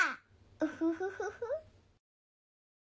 ウフフフフ。